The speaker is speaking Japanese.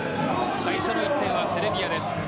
最初の１点はセルビアです。